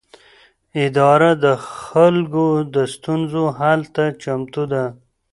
اداره د خلکو د ستونزو حل ته چمتو ده.